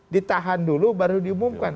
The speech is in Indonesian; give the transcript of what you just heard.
ditahan dulu baru diumumkan